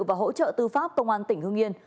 và hỗ trợ tư pháp công an tỉnh hương yên